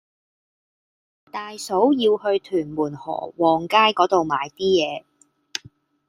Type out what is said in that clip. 大嫂要去屯門河旺街嗰度買啲嘢